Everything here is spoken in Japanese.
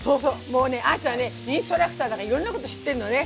もうねあーちゃんねインストラクターだからいろんなこと知ってんのね。